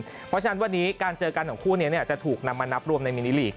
เพราะฉะนั้นวันนี้การเจอกันของคู่นี้จะถูกนำมานับรวมในมินิลีก